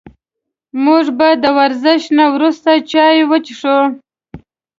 موږ به د ورزش نه وروسته چای وڅښو